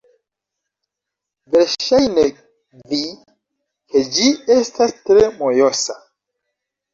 Verŝajne vi ke ĝi estas tre mojosa